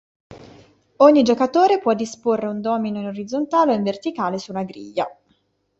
Ogni giocatore può disporre un domino in orizzontale o in verticale su una griglia.